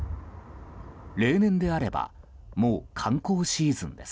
例年であればもう観光シーズンです。